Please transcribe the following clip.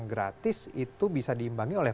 gratis itu bisa diimbangi oleh